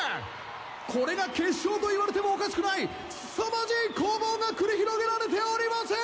これが決勝といわれてもおかしくないすさまじい攻防が繰り広げられております！